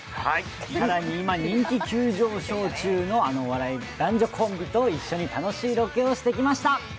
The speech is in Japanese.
更に今、人気急上昇中のあの人気お笑い男女コンビと楽しいロケをしてきました。